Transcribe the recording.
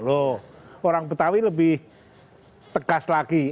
loh orang betawi lebih tegas lagi